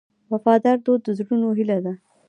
وفادار دوست د زړونو هیله ده.